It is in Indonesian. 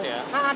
dengan tegas ya